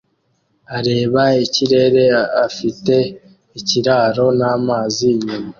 areba ikirere afite ikiraro namazi inyuma